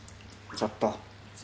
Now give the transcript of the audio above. ちょっせ